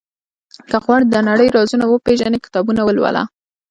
• که غواړې د نړۍ رازونه وپېژنې، کتابونه ولوله.